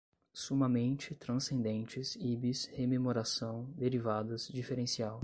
Sumamente, transcendentes, íbis, rememoração, derivadas, diferencial